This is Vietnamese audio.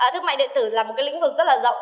thương mại điện tử là một cái lĩnh vực rất là rộng